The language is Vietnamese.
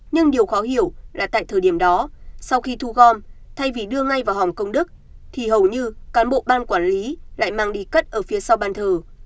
nhưng điều khó hiểu là tại thời điểm đó sau khi thu gom thay vì đưa ngay vào hòng công đức thì hầu như cán bộ ban quản lý lại mang đi cất ở phía sau ban thờ